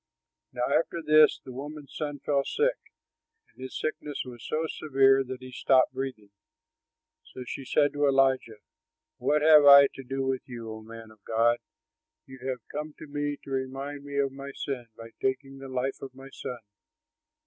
Now after this the woman's son fell sick; and his sickness was so severe that he stopped breathing. So she said to Elijah, "What have I to do with you, O man of God? You have come to me to remind me of my sin by taking the life of my son!"